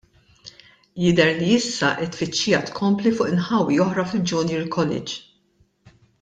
Jidher li issa t-tfittxija tkompli fuq inħawi oħra fil-Junior College.